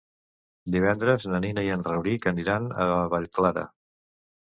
Divendres na Nina i en Rauric aniran a Vallclara.